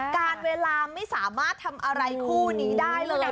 การเวลาไม่สามารถทำอะไรคู่นี้ได้เลยนะคะ